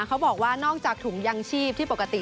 เขาบอกว่านอกจากถุงยังชีพที่ปกติ